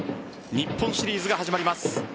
日本シリーズが始まります。